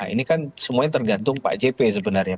ini kan semuanya tergantung pak jp sebenarnya